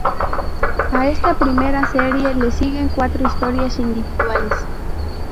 A esta primera serie le siguen cuatro historias individuales.